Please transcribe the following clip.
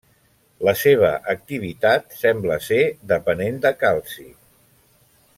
La seva activitat sembla ser depenent de calci.